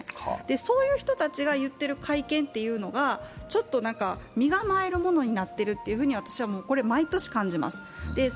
そういう人たちが言っている改憲というのは、身構えるものになっているというふうに、私は毎年感じます。